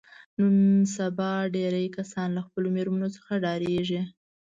نن سبا ډېری کسان له خپلو مېرمنو څخه ډارېږي.